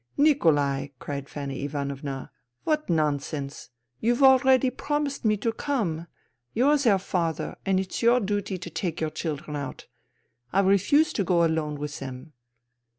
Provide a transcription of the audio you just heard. " Nikolai !" cried Fanny Ivanovna. " What non sens© ! You've already promised me to come. You're their father and it's your duty to take your children out. I refuse to go alone with them."